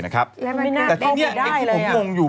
แต่ที่พอมองอยู่